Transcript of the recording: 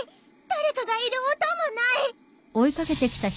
誰かがいる音もない！